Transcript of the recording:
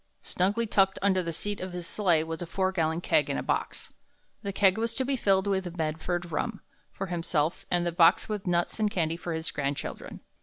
Snugly tucked under the seat of his sleigh was a four gallon keg and a box. The keg was to be filled with Medford rum for himself, and the box with nuts and candy for his grandchildren.